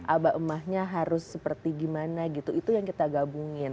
abah emahnya harus seperti gimana gitu itu yang kita gabungin